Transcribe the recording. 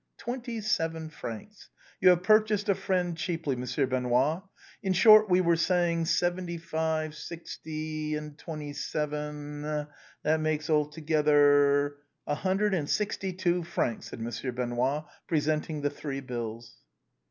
" Twenty seven francs. You have purchased a friend cheaply. Monsieur Benoît. In short, we were saying, THE CAPE OF STORMS. 117 seventy five, sixty, and twenty seven. That makes alto gether—?'' " A hundred and sixty two francs," said Monsieur Benoît, presenting the three bills.